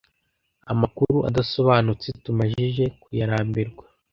amkuru adasobanutse tumajije kuyarambirwa